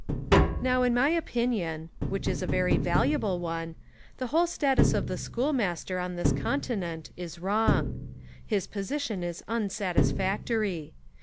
Now in my opinion (which is a very valu able one) the whole status of the schoolmaster on this continent is wrong. His position is unsatisfactory.